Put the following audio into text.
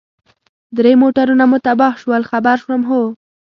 درې موټرونه مو تباه شول، خبر شوم، هو.